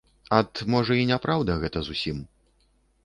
Ат, можа, і няпраўда гэта зусім.